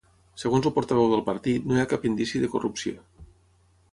Segons el portaveu del partit no hi ha cap indici de corrupció.